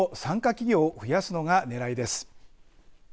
企業を増やすのがねらいです。